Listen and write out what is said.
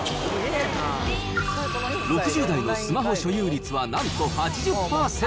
６０代のスマホ所有率はなんと８０％。